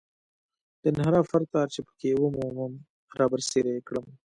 د انحراف هر تار چې په کې ومومم رابرسېره یې کړم.